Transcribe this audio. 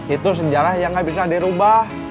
itu sejarah yang gak bisa dirubah